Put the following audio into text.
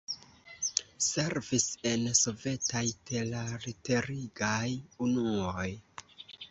Servis en sovetaj teralterigaj unuoj.